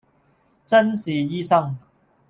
眞是醫生，